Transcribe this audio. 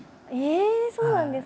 そうなんですか？